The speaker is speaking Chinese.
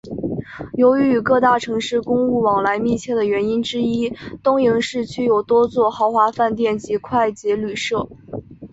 由于与各大城市公务往来密切的原因之一东营市区有多座豪华饭店及快捷旅舍。